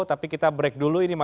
tapi kita break dulu